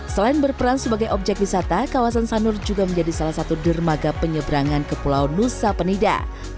selain berperan sebagai objek wisata kawasan sanur juga menjadi salah satu dermaga penyeberangan ke pulau nusa penida